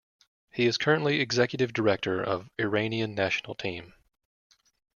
He is currently Executive director of Iranian national team.